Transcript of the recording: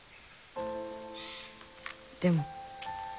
でも。